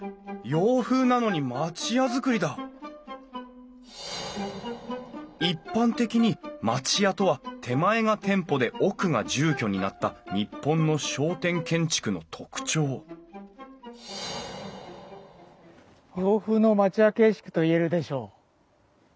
洋風なのに町屋造りだ一般的に町屋とは手前が店舗で奥が住居になった日本の商店建築の特徴洋風の町屋形式といえるでしょう。